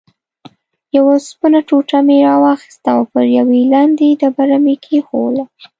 یوه اوسپنه ټوټه مې راواخیسته او پر یوې لندې ډبره مې کېښووله.